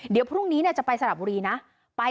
เดี๋ยวพรุ่งนี้จะไปสระบุรีนะ